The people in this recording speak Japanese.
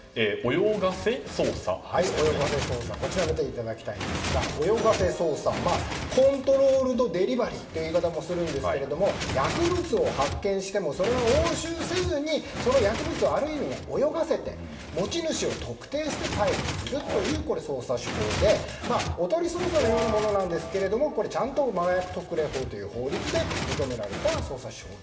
泳がせ捜査、こちらを見ていただきたいんですがコントロールドデリバリーという言い方もするんですが薬物を発見してもそれを押収せずにその薬物をある意味、泳がせて持ち主を特定して逮捕するという捜査手法で、おとり捜査のようなものなんですがちゃんと麻薬特例法という法律で認められた捜査手法。